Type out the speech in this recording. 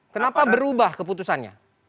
kenapa berubah keputusannya